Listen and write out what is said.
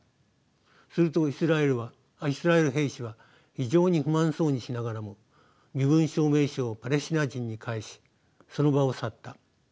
するとイスラエル兵士は非常に不満そうにしながらも身分証明書をパレスチナ人に返しその場を去った」。